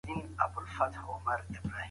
ټولنه تل د بدلون په حال کي ده.